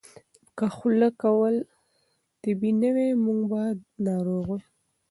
که خوله کول طبیعي نه وای، موږ به ناروغ وای.